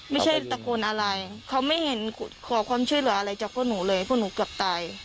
ตะโกนอะไรเขาไม่เห็นขอความช่วยเหลืออะไรจากพวกหนูเลยพวกหนูเกือบตาย